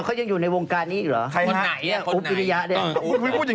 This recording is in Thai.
เขายังอยู่ในวงการนี้หรือ